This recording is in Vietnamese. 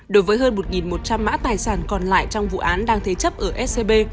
đối với hơn một một trăm linh mã tài sản còn lại trong vụ án đang thế chấp ở scb